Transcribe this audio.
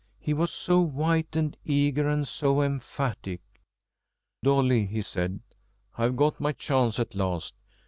He was so white and eager, and so emphatic. "Dolly," he said, "I've got my chance at last.